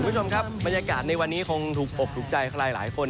คุณผู้ชมครับบรรยากาศในวันนี้คงถูกอกถูกใจใครหลายคน